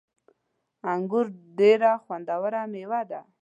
انګور ډیره خوندوره میوه ده